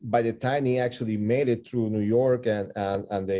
tapi saat mereka melakukannya melalui new york dan kota utara